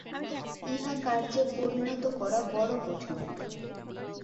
ইহা কার্যে পরিণত করা বড় কঠিন।